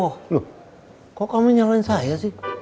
oh loh kok kamu nyalain saya sih